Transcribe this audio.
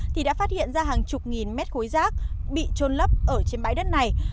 thì đã phát hiện ra hàng chục nghìn mét khối rác bị trôn lấp ở trên bãi đất này